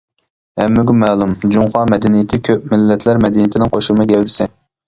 ھەممىگە مەلۇم، جۇڭخۇا مەدەنىيىتى كۆپ مىللەتلەر مەدەنىيىتىنىڭ قوشۇلما گەۋدىسى.